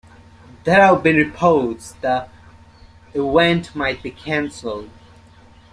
There have been reports the event might be canceled.